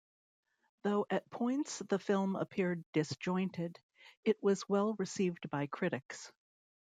Though at points the film appeared disjointed, it was well received by critics.